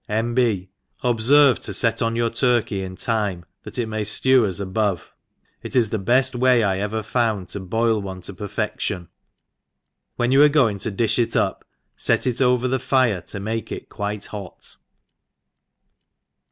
— N. B. Obfervc to fet on your turkey in time, that it may ftew as above : it is the bcft way I ever found to boiI one to perfedUon : when you are going to difti it up, kt it over the iire to make it quite hot.